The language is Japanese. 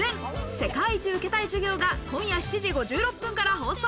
『世界一受けたい授業』が今夜７時５６分から放送。